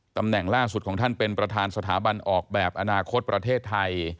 ตำแหน่งล่าสุดของท่านเป็นประธานสถาบันออกแบบอนาคตประเทศไทย